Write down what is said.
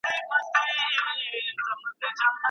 په لاس لیکلنه د لیکوال د زړه غږ دی.